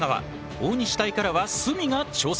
大西隊からは角が挑戦。